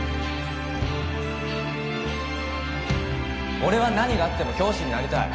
俺は何があっても教師になりたい